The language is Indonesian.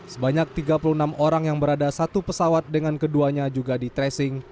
sebanyak tiga puluh enam orang yang berada satu pesawat dengan keduanya juga di tracing